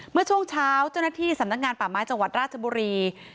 เมื่อช่วงเช้าเจ้าหน้าที่สำนักงานป่าไม้จังหวัดราชบุรี